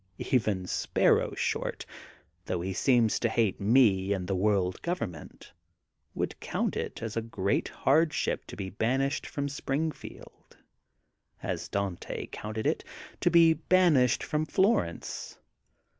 Even Sparrow Short, though he seems to hate me and the World Government, would count it as great a hard ship to be banished from Springfield, as Dante counted it, to be banished from Flor ence.